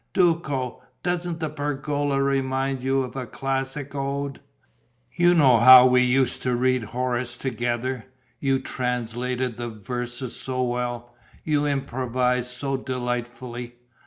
Duco, doesn't the pergola remind you of a classic ode? You know how we used to read Horace together: you translated the verses so well, you improvised so delightfully.